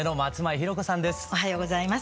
おはようございます。